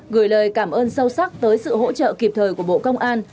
gửi lời cảm ơn sâu sắc tới sự hỗ trợ kịp thời của bộ công an